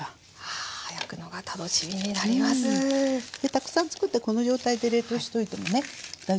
たくさんつくったこの状態で冷凍しておいてもね大丈夫です。